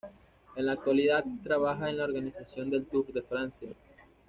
En la actualidad trabaja en la organización del Tour de Francia.